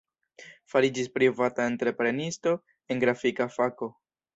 Fariĝis privata entreprenisto en grafika fako.